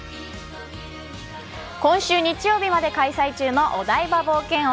今週日曜日まで開催中のお台場冒険王。